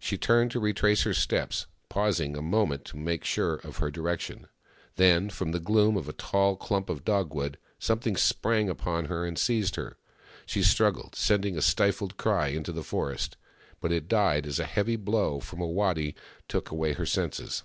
She turned to retrace her steps, pausing a moment to make sure of her direction. Then, from the gloom of a tall clump of dogwood, something sprang upon her and seized her. She struggled, sending a stifled cry into the forest— but it died as a heavy blow from a waddy took away her senses.